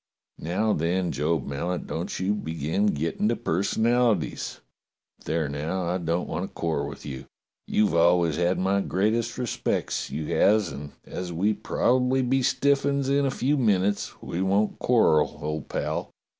"Now, then, Job Mallet, don't you begin getting to personalities. But there, now, I don't want to quarrel with you. You've always had my greatest respec's, you has, and as we'll probably be stiff 'uns in a few THE FIGHT 209 minutes, we won't quarrel, old pal.